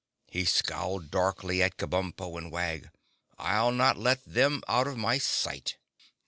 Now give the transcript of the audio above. He scowled darkly at Kabumpo and Wag. "I'll not let them out of my sight."